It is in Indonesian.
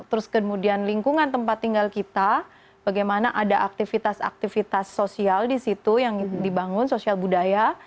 terus kemudian lingkungan tempat tinggal kita bagaimana ada aktivitas aktivitas sosial di situ yang dibangun sosial budaya